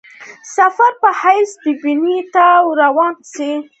سفیر په حیث بمبیی ته روان سي.